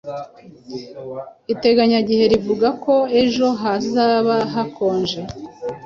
Iteganyagihe rivuga ko ejo hazaba hakonje.